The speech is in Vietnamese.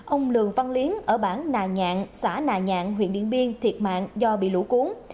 ông lường văn luyến ở bản nà nhạn xã nà nhạn huyện điện biên thiệt mạng do bị lũ cuốn